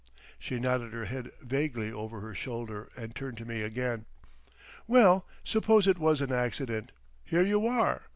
She nodded her head vaguely over her shoulder and turned to me again. "Well, suppose it was an accident. Here you are!